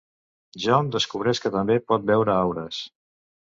Jon descobreix que també pot veure aures.